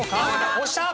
押した！